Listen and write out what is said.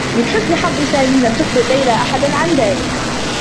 من حسن حظّ سامي، لم تخبر ليلى أحدا عن ذلك.